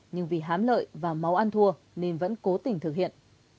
nhưng vì hám lợi và máu ăn thua nên vẫn cố tình thực hiện